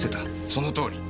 そのとおり。